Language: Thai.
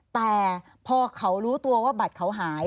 แต่พอเขารู้ตัวว่าบัตรเขาหาย